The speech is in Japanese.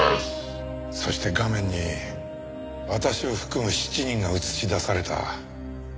そして画面に私を含む７人が映し出された。